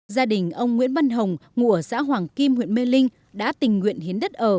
gia đình ông nguyễn văn hồng ngụ ở xã hoàng kim huyện mê linh đã tình nguyện hiến đất ở